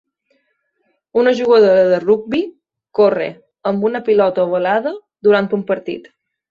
Una jugadora de rugbi corre amb una pilota ovalada durant un partit